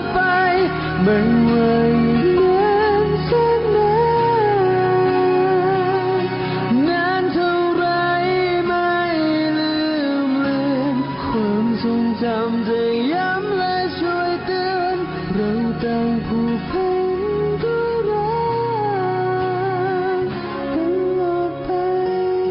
พยายามและช่วยเตือนในแต่ผู้ผ่านก็ร้องกันหมดไป